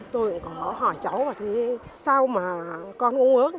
tôi cũng có hỏi cháu là sao mà con uống ớt